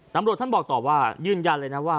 ตำรวจท่านบอกต่อว่ายืนยันเลยนะว่า